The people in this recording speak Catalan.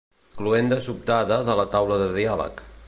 Cloenda sobtada de la taula de diàleg.